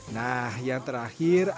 nah yang terakhir air cucian beras